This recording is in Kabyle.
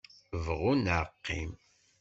Bɣu neɣ qim.